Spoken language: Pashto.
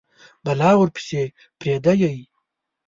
بلا ورپسي پریده یﺉ